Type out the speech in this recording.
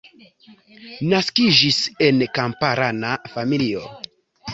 Naskiĝis en kamparana familio.